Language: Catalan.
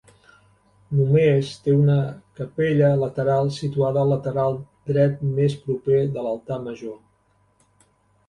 Només té una capella lateral situada al lateral dret més proper de l'altar major.